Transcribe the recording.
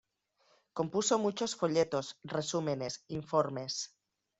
Compuso muchos folletos, resúmenes, informes.